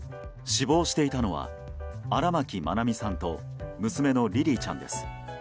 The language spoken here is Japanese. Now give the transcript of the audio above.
死亡していたのは荒牧愛美さんと娘のリリィちゃんです。